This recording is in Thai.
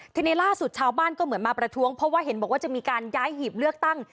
ทีนี้ล่าสุดชาวบ้านก็เหมือนมาประท้วงเพราะว่าเห็นบอกว่าจะมีการย้ายหีบเลือกตั้ง